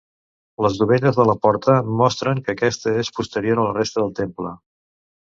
Les dovelles de la porta mostren que aquesta és posterior a la resta del temple.